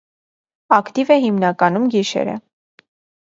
Ակտիվ է հիմնականում գիշերը։